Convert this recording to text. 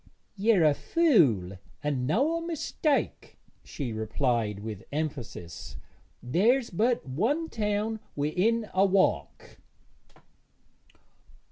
'Yer a fool and noä mistake,' she replied with emphasis. 'There's but one town wi'in a walk.'